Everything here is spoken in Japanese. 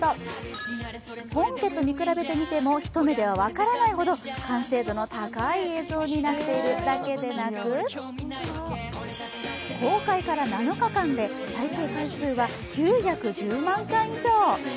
本家と見比べてみても、一目では分からないほど完成度の高い映像になっているだけでなく公開から７日間で再生回数は９１０万回以上。